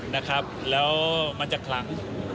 แล้วมันจะคลัง